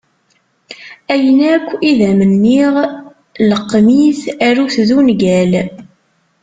Ayen akk i d am-nniɣ leqqem-it aru-t d ungal.